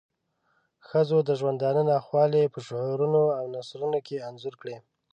ښځو د ژوندانه ناخوالی په شعرونو او نثرونو کې انځور کړې.